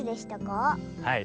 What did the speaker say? はい。